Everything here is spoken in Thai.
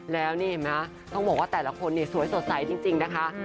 แล้วนี่เห็นไหมต้องบอกว่าแต่ละคนเนี่ยสวยสดใสจริงนะคะ